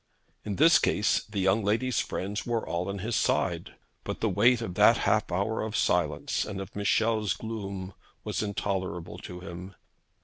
In this case the young lady's friends were all on his side. But the weight of that half hour of silence and of Michel's gloom was intolerable to him.